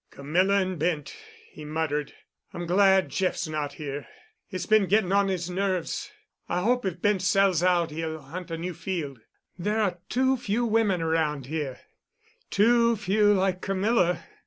"Camilla and Bent," he muttered. "I'm glad Jeff's not here. It's been getting on his nerves. I hope if Bent sells out he'll hunt a new field. There are too few women around here—too few like Camilla.